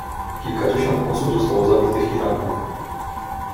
"Kilkadziesiąt osób zostało zabitych i rannych."